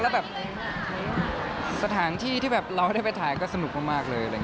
แล้วแบบสถานที่ที่แบบเราได้ไปถ่ายก็สนุกมากเลย